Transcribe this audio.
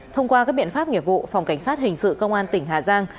thông qua các biện pháp nghiệp vụ phòng cảnh sát hình sự công an tỉnh hà giang